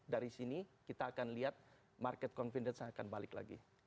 dari sini kita akan lihat market confidence nya akan balik lagi